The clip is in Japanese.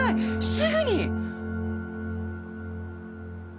すぐに！